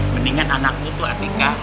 mendingan anak lo tuh adika